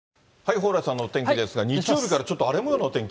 蓬莱さんのお天気ですが、日曜日からちょっと荒れもようのお天気？